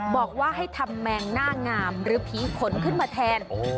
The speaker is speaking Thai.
บอกว่าให้ทำแมงหน้างามหรือผีขนขึ้นมาแทน